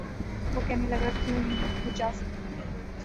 وہ کہنے لگا:کیوں نہیں کہی جا سکتی؟